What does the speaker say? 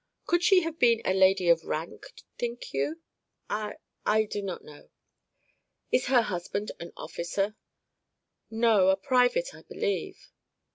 "Could she have been a lady of rank, think you?" "I I do not know." "Is her husband an officer?" "No; a private, I believe."